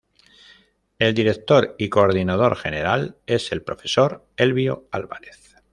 El director y coordinador general es el profesor Elbio Álvarez.